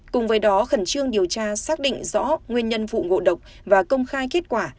cùng với đó khẩn trương điều tra xác định rõ nguyên nhân vụ ngộ độc và công khai kết quả